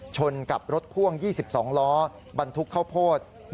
ชนกับรถพ่วง๒๒ล้อบรรทุกข้าวโพด